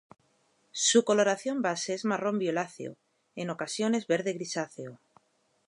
Su coloración base es marrón violáceo, en ocasiones verde grisáceo.